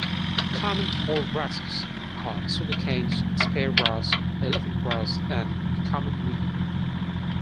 Common tall grasses are sugarcanes, spear grass, elephant grass, and the common reed.